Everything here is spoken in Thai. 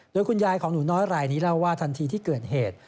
โดยคุณยายของหนูน้อยรายนี้เล่าว่าทันทีที่เกิดเหตุ